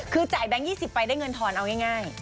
คือจ่ายแบงค์๒๐ไปได้เงินทอนเอาง่าย